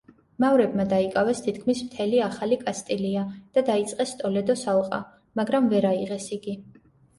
მავრებმა დაიკავეს თითქმის მთელი ახალი კასტილია და დაიწყეს ტოლედოს ალყა, მაგრამ ვერ აიღეს იგი.